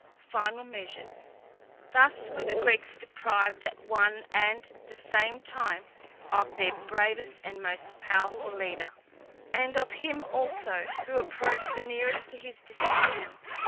FINAL MEASURES. Thus were the Greeks deprived at one and the same time of their bravest and most powerful leader, and of him also who approached the nearest to this distinction.